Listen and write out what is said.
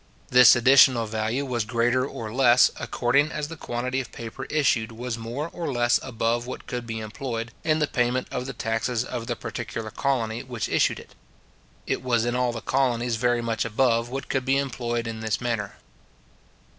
This additional value was greater or less, according as the quantity of paper issued was more or less above what could be employed in the payment of the taxes of the particular colony which issued it. It was in all the colonies very much above what could be employed in this manner.